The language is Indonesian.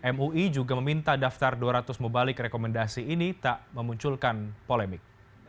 mui juga meminta daftar dua ratus mubalik rekomendasi ini tak memunculkan polemik